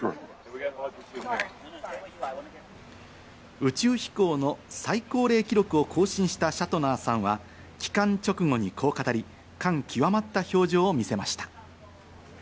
宇宙飛行の最高齢記録を更新したシャトナーさんは帰還直後にこう語り、感極まった表情を見せました。